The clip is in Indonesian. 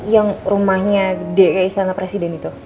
yang rumahnya dek kayak istana presiden itu